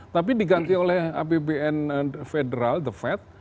tapi diganti oleh apbn federal the fed